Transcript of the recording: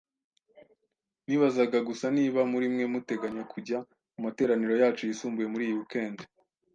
Nibazaga gusa niba muri mwe muteganya kujya mu materaniro yacu yisumbuye muri iyi weekend